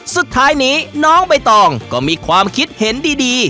สุดท้ายนี้น้องใบตองก็มีความคิดเห็นดี